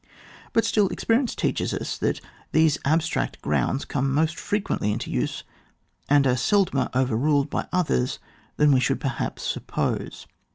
But still, experience teaches us, that these abstract grounds come most fre quently into use and are seldomer over ruled by others than we should perhaps suppose.